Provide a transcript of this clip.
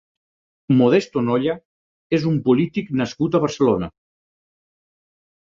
Modesto Nolla és un polític nascut a Barcelona.